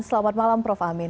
selamat malam prof amin